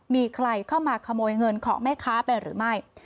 มีใครเข้ามาขโมยเงินของแม่ค้าไปหรือไม่